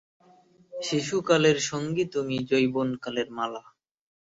শিশু কালের সঙ্গী তুমি যৌবন কালের মালা।